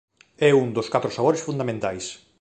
É un dos catro sabores fundamentais.